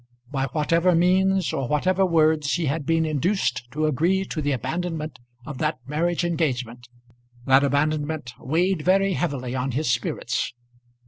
By whatever means or whatever words he had been induced to agree to the abandonment of that marriage engagement, that abandonment weighed very heavily on his spirits.